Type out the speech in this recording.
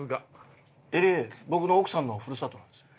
Ｌ．Ａ．僕の奥さんのふるさとなんですよ。